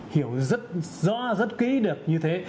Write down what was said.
hiểu rất rõ rất kỹ được như thế